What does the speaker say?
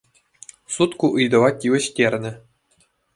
Суд ку ыйтӑва тивӗҫтернӗ.